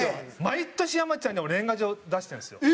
毎年山ちゃんに年賀状出してるんですよ。